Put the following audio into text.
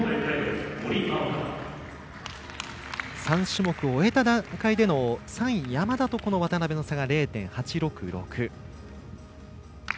３種目終えた段階での３位山田と渡部の差が０．８６６。